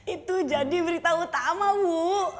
itu jadi berita utama bu